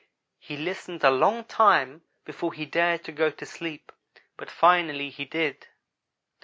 He listened a long time before he dared to go to sleep, but finally he did.